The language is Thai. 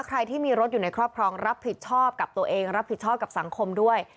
ใครที่มีรถอยู่ในครอบครองรับผิดชอบกับตัวเองรับผิดชอบกับสังคมด้วย